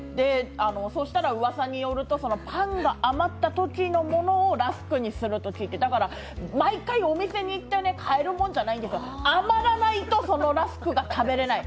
そしたらうわさによるとパンが余ったときのものをラスクにすると聞いて、だから、毎回お店に行って買えるもんじゃないんですよ、余らないと、そのラスクが食べれない。